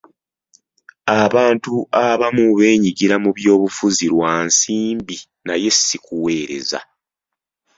Abantu abamu beenyigira mu byobufuzi lwa nsimbi naye si kuweereza.